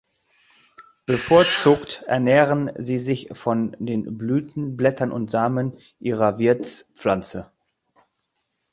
Bevorzugt ernähren sie sich von den Blütenblättern und Samen ihrer Wirtspflanze.